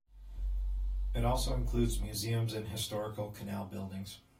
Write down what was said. It also includes museums and historical canal buildings.